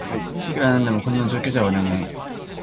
いくらなんでもこんな状況じゃ笑えない